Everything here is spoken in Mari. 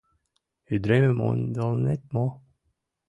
Ӱдыремым ондалынет мо?..